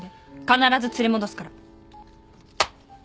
必ず連れ戻すから。